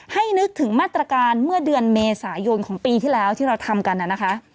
นึกถึงมาตรการเมื่อเดือนเมษายนของปีที่แล้วที่เราทำกันนะคะ